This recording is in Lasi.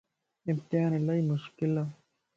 امتيان الائي مشڪلَ